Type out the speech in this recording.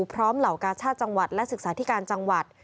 เหล่ากาชาติจังหวัดและศึกษาธิการจังหวัด